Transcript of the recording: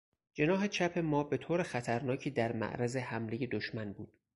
جناح چپ ما به طور خطرناکی در معرض حملهی دشمن بود.